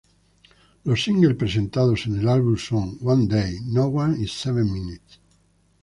Los singles presentados en el álbum son "One Day", "No One" y "Seven Minutes".